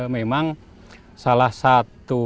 memang salah satu dampak